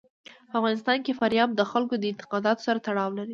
په افغانستان کې فاریاب د خلکو د اعتقاداتو سره تړاو لري.